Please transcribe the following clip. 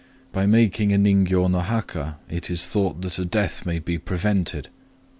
By making a ningyô no haka it is thought that a death may be prevented. .